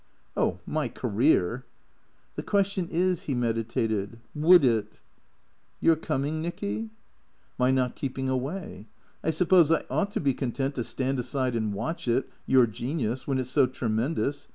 " Oh — my career "" The question is," he meditated, " would it ?"" Your coming, Nicky ?"" My not keeping away. I suppose I ought to be content to stand aside and watch it, your genius, when it's so tremendous.